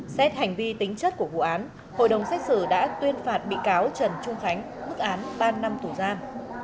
xét hành vi tính chất của vụ án hội đồng xét xử đã tuyên phạt bị cáo trần trung khánh mức án ba năm tù giam